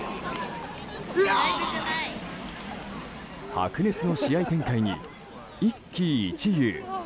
白熱の試合展開に一喜一憂。